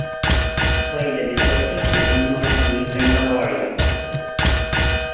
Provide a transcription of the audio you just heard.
Weiden is located in northeastern Bavaria.